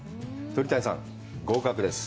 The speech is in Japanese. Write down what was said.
鳥谷さん、合格です。